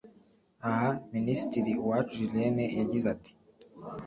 Aha Minisitiri Uwacu Julienne yagize ati